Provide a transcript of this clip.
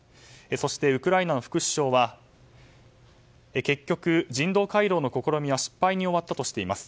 そして、ウクライナの副首相は結局、人道回廊の試みは失敗に終わったとしています。